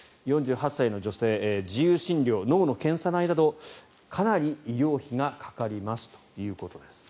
４８歳の女性自由診療、脳の検査代などかなり医療費がかかりますということです。